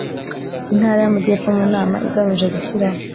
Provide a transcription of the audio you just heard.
Intara y Amajyepfo mu nama igamije gushyiraho